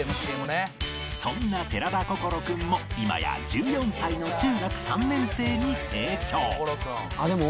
そんな寺田心くんも今や１４歳の中学３年生に成長